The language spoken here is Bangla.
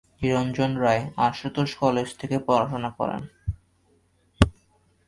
নিরঞ্জন রায় আশুতোষ কলেজ থেকে পড়াশোনা করেন।